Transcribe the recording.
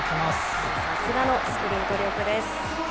さすがのスプリント力です。